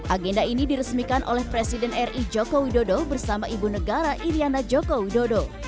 agenda ini diresmikan oleh presiden ri joko widodo bersama ibu negara iryana joko widodo